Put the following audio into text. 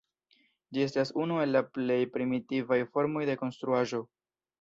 Ĝi estas unu el la plej primitivaj formoj de konstruaĵo.